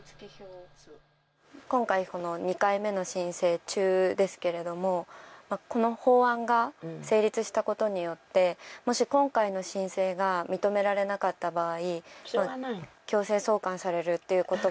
今回、２回目の申請中ですけれどもこの法案が成立したことによってもし、今回の申請が認められなかった場合。